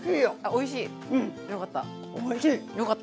おいしい。